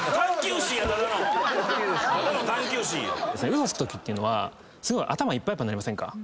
ウソつくときってすごい頭いっぱいいっぱいになりません？